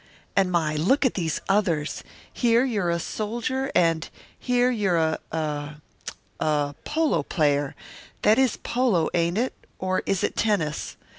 And my, look at these others here you're a soldier, and here you're a a a polo player that is polo, ain't it, or is it tennis?